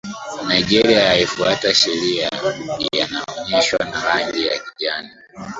Nigeria yaniyofuata sharia yanaonyeshwa na rangi ya kijani